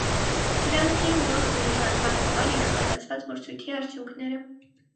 Սրանք էին նոր գույնի անվան համար իրականացված մրցույթի արդյունքները։